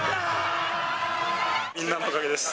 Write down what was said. みんなのおかげです。